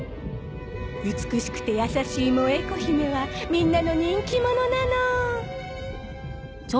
美しくて優しいモエーコ姫はみんなの人気者なの。